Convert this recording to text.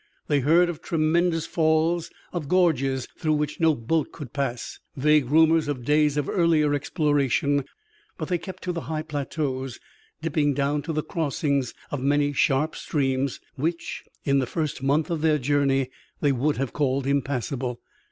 They heard of tremendous falls, of gorges through which no boat could pass, vague rumors of days of earlier exploration; but they kept to the high plateaus, dipping down to the crossings of many sharp streams, which in the first month of their journey they would have called impassable.